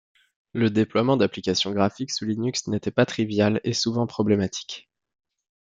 Le déploiement d'applications graphiques sous Linux n'était pas trivial et souvent problématique.